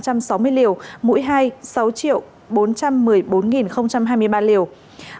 mỗi hai là sáu bốn trăm một mươi bốn hai mươi ba liều